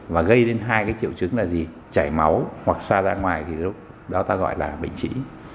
và gây đến hai triệu chứng là gì chảy máu hoặc xa ra ngoài đó ta gọi là bệnh trĩ